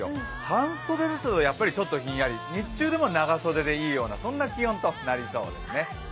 半袖だとちょっとひんやり、日中でも長袖でいいようなそんな気温となりそうですね。